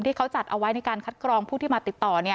ที่เขาจัดเอาไว้ในการคัดกรองผู้ที่มาติดต่อ